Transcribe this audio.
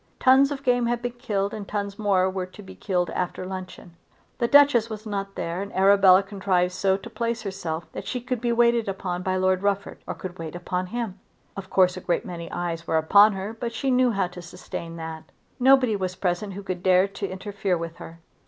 Tons of game had been killed, and tons more were to be killed after luncheon. The Duchess was not there and Arabella contrived so to place herself that she could be waited upon by Lord Rufford, or could wait upon him. Of course a great many eyes were upon her, but she knew how to sustain that. Nobody was present who could dare to interfere with her.